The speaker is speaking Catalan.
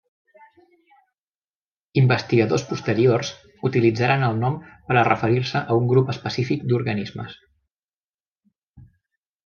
Investigadors posteriors utilitzaren el nom per a referir-se a un grup específic d'organismes.